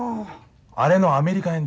あれのアメリカ編